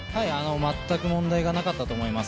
まったく問題がなかったと思います。